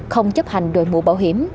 không chấp hành đội mũ bảo hiểm